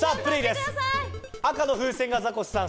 赤の風船がザコシさん。